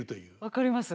分かります。